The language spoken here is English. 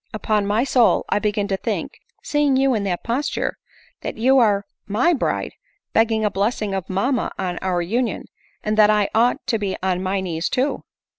Upon my soul I begin to think, seeing you in that posture, that you are my bride begging a blessing of mamma on our union, and that I ought to be on my knees too."